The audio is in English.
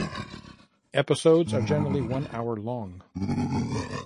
Episodes are generally one hour long.